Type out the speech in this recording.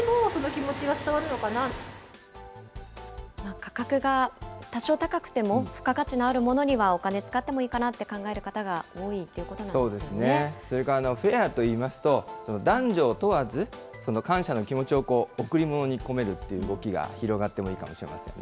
価格が多少高くても、付加価値のあるものにはお金使ってもいいかなと考える方が多いとそれからフェアといいますと、男女を問わず、感謝の気持ちを贈り物に込めるっていう動きが広がってもいいかもしれませんね。